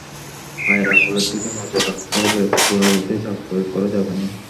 পায়ের আঙুলের দিকে নজর রাখতে হবে, গোড়ালিতে চাপ প্রয়োগ করা যাবে না।